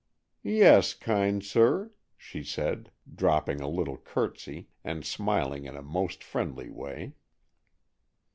"Yes, kind sir," she said, dropping a little curtsey, and smiling in a most friendly way.